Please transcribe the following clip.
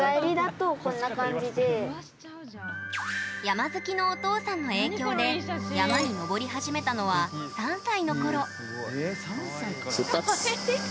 山好きのお父さんの影響で山に登り始めたのは３歳のころ。